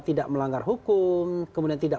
tidak melanggar hukum kemudian tidak